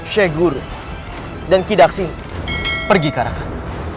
syegur dan kidaksing pergi ke arah kami